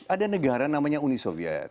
ada negara namanya uni soviet